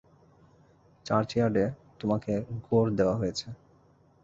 Church ইয়ার্ডে তোমাকে গোর দেয়া হয়েছে।